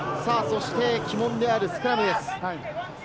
鬼門であるスクラムです。